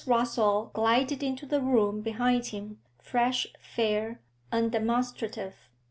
Rossall glided into the room behind him, fresh, fair, undemonstrative.